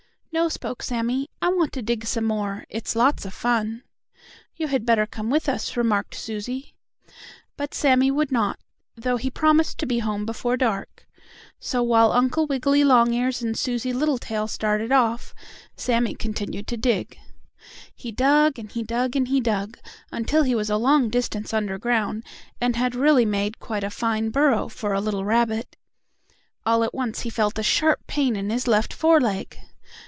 "No," spoke Sammie, "I want to dig some more. It's lots of fun." "You had better come with us," remarked Susie. But Sammie would not, though he promised to be home before dark. So while Uncle Wiggily Longears and Susie Littletail started off, Sammie continued to dig. He dug and he dug and he dug, until he was a long distance under ground, and had really made quite a fine burrow for a little rabbit. All at once he felt a sharp pain in his left fore leg.